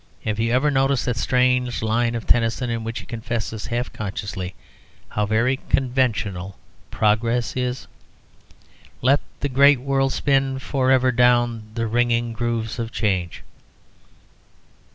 Have you ever noticed that strange line of Tennyson, in which he confesses, half consciously, how very conventional progress is? "Let the great world spin for ever down the ringing grooves of change."